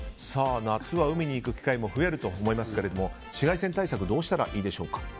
夏は海に行く機会も増えると思いますけども紫外線対策どうしたらいいでしょうか。